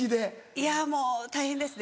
いやもう大変ですね